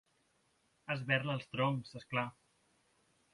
Esberla els troncs, és clar.